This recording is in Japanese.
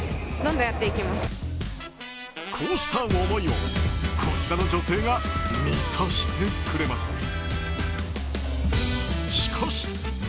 こうした思いをこちらの女性が満たしてくれます。